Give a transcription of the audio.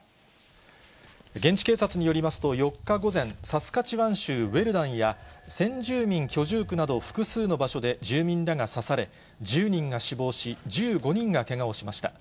現地警察によりますと、４日午前、サスカチワン州ウェルダンや、先住民居住区など複数の場所で、住民らが刺され、１０人が死亡し、１５人がけがをしました。